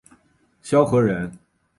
萧何人。